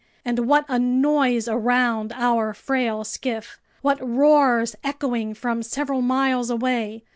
And what a noise around our frail skiff! What roars echoing from several miles away!